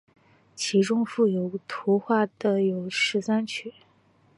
其中附有图画的有十三曲。